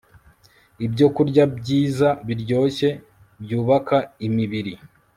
ibyokurya byiza biryoshye byubaka imibiri